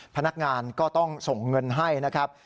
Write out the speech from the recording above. พนักงานก็ต้องส่งเงินให้นะครับ